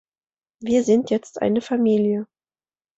Wir sind jetzt eine Familie.